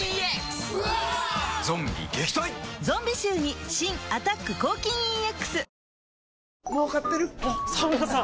ゾンビ臭に新「アタック抗菌ＥＸ」